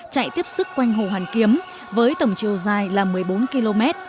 chạy tiếp sức quanh hồ hoàn kiếm với tổng chiều dài là một mươi bốn km